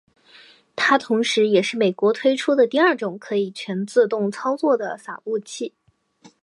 它同时也是美国推出的第二种可以全自动操作的洒布器。